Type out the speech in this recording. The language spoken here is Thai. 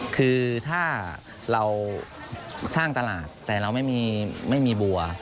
คือถ้าเราสร้างตลาดแต่เราไม่มีบัว